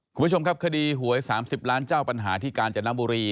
คุณผู้ชมครับคดีหวย๓๐ล้านเจ้าปัญหาที่กาญจนบุรี